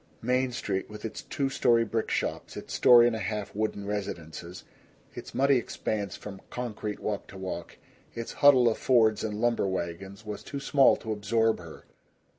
Main Street with its two story brick shops, its story and a half wooden residences, its muddy expanse from concrete walk to walk, its huddle of Fords and lumber wagons, was too small to absorb her.